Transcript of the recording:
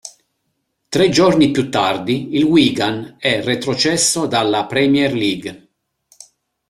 Tre giorni più tardi, il Wigan è retrocesso dalla Premier League.